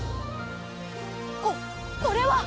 ここれは！